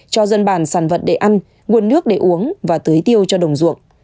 cho dân bản sản vật để ăn nguồn nước để uống và tưới tiêu cho đồng ruộng